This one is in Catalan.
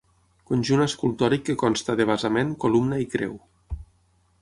Conjunt escultòric que consta de basament, columna i creu.